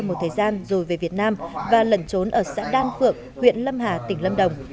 một thời gian rồi về việt nam và lẩn trốn ở xã đan phượng huyện lâm hà tỉnh lâm đồng